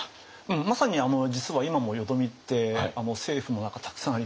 まさに実は今も淀みって政府の中たくさんありまして。